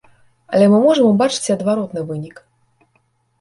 Але мы можам убачыць і адвароты вынік.